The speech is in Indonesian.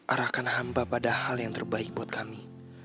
arahkan hamba pada hal yang terbaik buat kami